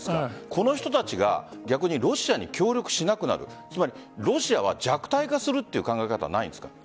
この人たちが逆にロシアに協力しなくなるロシアは弱体化するという考え方ないんですか？